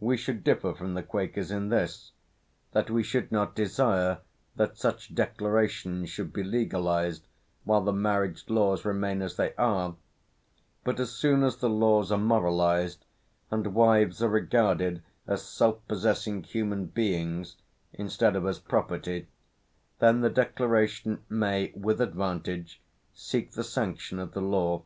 We should differ from the Quakers in this, that we should not desire that such declaration should be legalised while the marriage laws remain as they are; but as soon as the laws are moralised, and wives are regarded as self possessing human beings, instead of as property, then the declaration may, with advantage, seek the sanction of the law.